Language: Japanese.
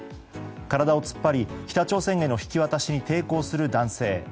体を突っ張り北朝鮮への引き渡しに抵抗する男性。